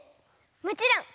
もちろん！